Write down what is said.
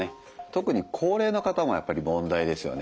特に高齢の方もやっぱり問題ですよね。